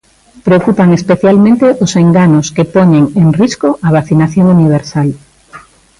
Preocupan especialmente os enganos que poñen en risco a vacinación universal.